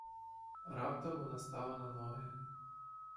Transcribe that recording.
Раптом вона стала на ноги.